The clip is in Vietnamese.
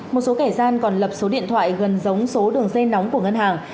một số kẻ gian còn lập số điện thoại gần giống số đường dây nóng của ngân hàng